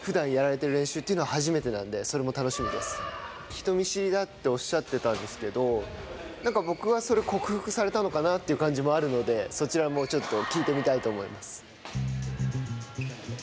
人見知りだおっしゃってたんですけど、僕はそれ、克服されたのかなって感じもあるので、そちらもちょっと聞いてみたいと思います。